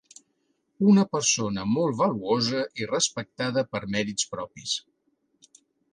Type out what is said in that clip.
Una persona molt valuosa i respectada per mèrits propis.